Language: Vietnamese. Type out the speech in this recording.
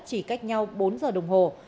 chỉ cách nhau bốn giờ đồng hồ